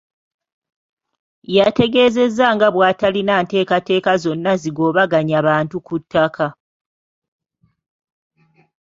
Yategeezezza nga bw’atalina nteekateeka zonna zigobaganya bantu ku ttaka.